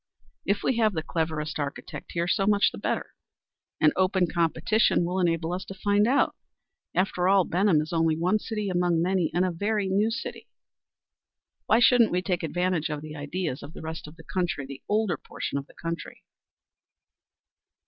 If we have the cleverest architect here, so much the better. An open competition will enable us to find out. After all Benham is only one city among many, and a very new city. Why shouldn't we take advantage of the ideas of the rest of the country the older portion of the country?"